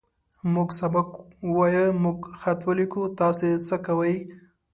موږ سبق ووايه. موږ خط وليکو. تاسې څۀ کوئ؟